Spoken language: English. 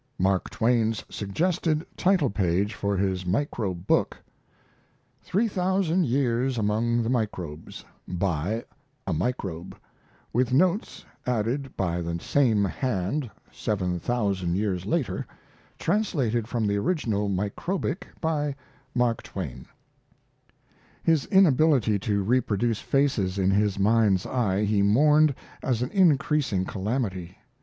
] MARK TWAIN'S SUGGESTED TITLE PAGE FOR HIS MICROBE BOOK: 3000 YEARS AMONG THE MICROBES By a Microbe WITH NOTES added by the same Hand 7000 years later Translated from the Original Microbic by Mark Twain His inability to reproduce faces in his mind's eye he mourned as an increasing calamity.